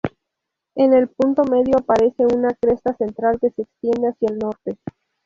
En el punto medio aparece una cresta central que se extiende hacia el norte.